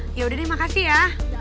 wah yaudah deh makasih ya